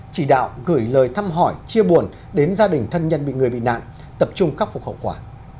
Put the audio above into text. chỉ đạo gửi lời thăm hỏi chia buồn đến gia đình thân nhân bị người bị nạn tập trung khắc phục hậu quả